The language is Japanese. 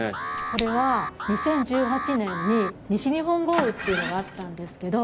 これは２０１８年に西日本豪雨っていうのがあったんですけど。